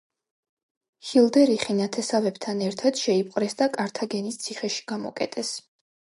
ჰილდერიხი ნათესავებთან ერთად შეიპყრეს და კართაგენის ციხეში გამოკეტეს.